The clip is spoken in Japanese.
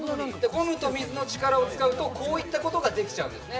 ゴムと水の力を使うとこういったことができちゃうんですね